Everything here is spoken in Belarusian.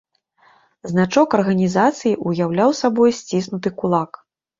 Значок арганізацыі уяўляў сабой сціснуты кулак.